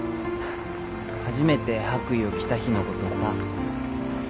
初めて白衣を着た日のことさ。